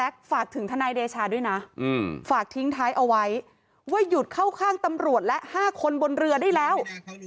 ข้อถึงท้ายเอาไว้ว่าหยุดเข้าข้างตำรวจและ๕คนบนเรือได้แล้ว